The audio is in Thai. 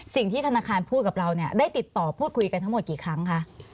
สิ่งที่ธนาคารพูดกับเราเนี่ยได้ติดต่อพูดคุยกันทั้งหมดกี่ครั้งคะ